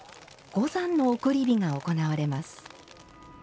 五山の送り火が行われます。